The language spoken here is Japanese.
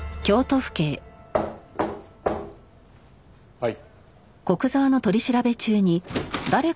はい。